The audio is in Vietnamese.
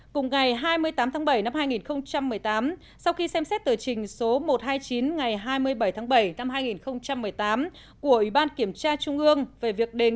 cùng ngày hai mươi tám tháng bảy năm hai nghìn một mươi tám sau khi xem xét tờ trình số một trăm hai mươi chín ngày hai mươi bảy tháng bảy năm hai nghìn một mươi tám của ủy ban kiểm tra trung ương về việc đề xuất